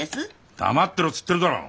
黙ってろっつってるだろ！